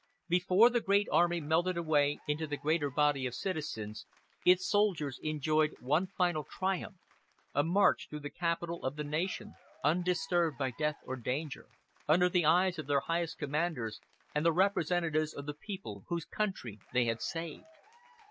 Before the great army melted away into the greater body of citizens its soldiers enjoyed one final triumph a march through the capital of the nation, undisturbed by death or danger, under the eyes of their highest commanders and the representatives of the people whose country they had saved.